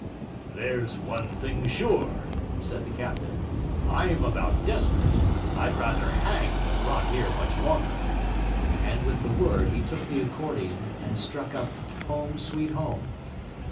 'There's one thing sure,' said the captain. 'I'm about desperate, I'd rather hang than rot here much longer.' And with the word he took the accordion and struck up. 'Home, sweet home.'